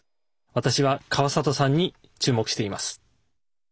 私は川里さんに注目しています。